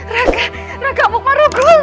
raka raka amukmar rukul